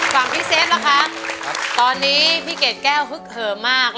ฝั่งพี่เซฟล่ะคะตอนนี้พี่เกดแก้วฮึกเหิมมาก